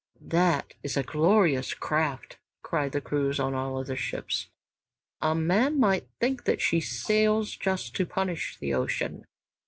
"That is a glorious craft," cried out crews on all other ships; "a man might think that she sails just to punish the ocean."